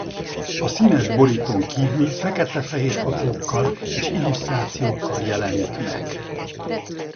A színes borítón kívül fekete-fehér fotókkal és illusztrációkkal jelenik meg.